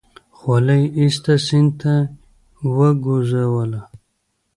خولۍ يې ايسته سيند ته يې وگوزوله.